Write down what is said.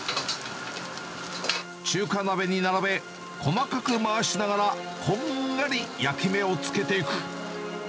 中華鍋に並べ、細かく回しながらこんがり焼き目をつけていく。